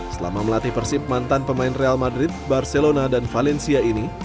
selama melatih persib mantan pemain real madrid barcelona dan valencia ini